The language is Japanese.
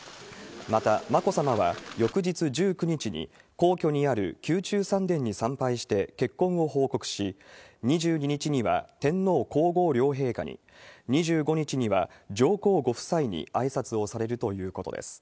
また、眞子さまは翌日１９日に皇居にある宮中三殿に参拝して結婚を報告し、２２日には天皇皇后両陛下に、２５日には上皇ご夫妻にあいさつをされるということです。